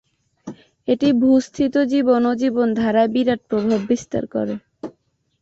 এটি ভূ-স্থিত জীবন ও জীবনধারায় বিরাট প্রভাব বিস্তার করে।